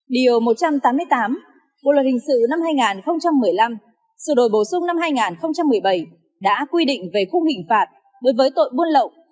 điều một trăm tám mươi tám bộ luật hình sự năm hai nghìn một mươi năm sự đổi bổ sung năm hai nghìn một mươi bảy đã quy định về khung hình phạt đối với tội buôn lậu